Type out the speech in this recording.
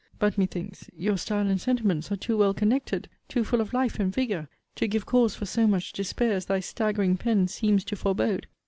But methinks, your style and sentiments are too well connected, too full of life and vigour, to give cause for so much despair as thy staggering pen seems to forbode.